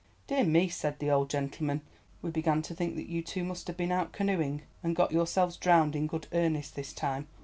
"Dear me," said the old gentleman, "we began to think that you two must have been out canoeing and got yourselves drowned in good earnest this time.